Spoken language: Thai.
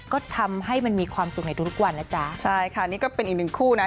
ก็ทำให้มันมีความสุขในทุกวันนะจ๊ะใช่ค่ะนี่ก็เป็นอีกหนึ่งคู่นะ